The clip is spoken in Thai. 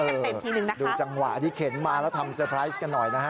เต็มเต็มทีนึงนะคะดูจังหวะที่เข็นมาแล้วทำเตอร์ไพรส์กันหน่อยนะฮะ